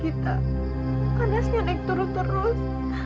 kita panasnya naik turun terus